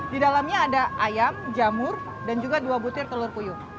di dalamnya ada ayam jamur dan juga dua butir telur puyuh